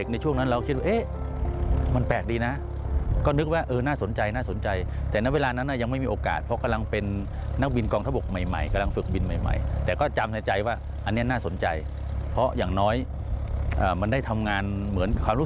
เขาคิดในใจว่าเดี๋ยวจะต้องมา